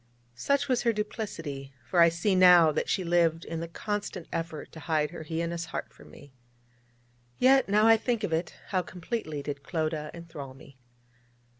Such was her duplicity: for I see now that she lived in the constant effort to hide her heinous heart from me. Yet, now I think of it, how completely did Clodagh enthral me!